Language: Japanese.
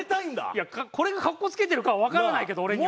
いやこれが格好付けてるかはわからないけど俺には。